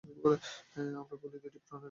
আমরা বলি, দুইটি প্রণালী আছে।